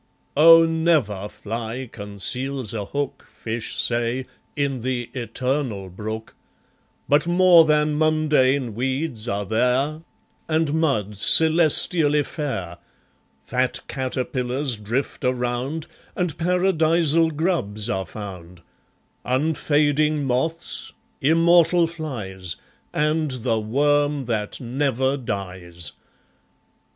Oh! never fly conceals a hook, Fish say, in the Eternal Brook, But more than mundane weeds are there, And mud, celestially fair; Fat caterpillars drift around, And Paradisal grubs are found; Unfading moths, immortal flies, And the worm that never dies.